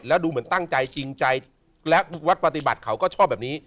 แล้วดูเหมือนตั้งใจจริงใจและวัดปฏิบัติเขาก็ชอบแบบนี้